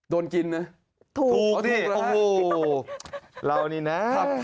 โดนกินนะ